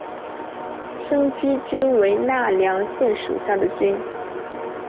生驹郡为奈良县属下的郡。